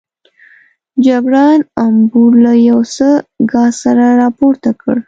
جګړن امبور له یو څه ګاز سره راپورته کړ.